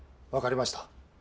分かりました。